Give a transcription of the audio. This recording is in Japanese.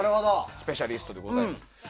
スペシャリストでございます。